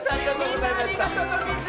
みんなありがとうのミズ！